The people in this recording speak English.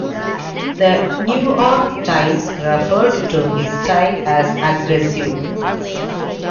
The "New York Times" referred to his style as "aggressive".